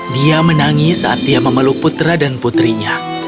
dia menangis saat dia memeluk putra dan putrinya